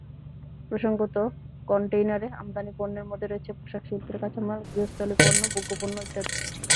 প্রসঙ্গত, কনটেইনারে আমদানি পণ্যের মধ্যে রয়েছে পোশাকশিল্পের কাঁচামাল, গৃহস্থালি পণ্য, ভোগ্যপণ্য ইত্যাদি।